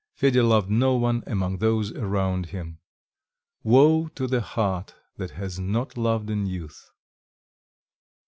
Fedya loved no one among those around him.... Woe to the heart that has not loved in youth!